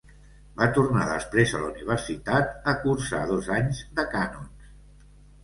Va tornar després a la universitat a cursar dos anys de cànons.